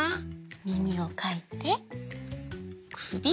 みみをかいてくび。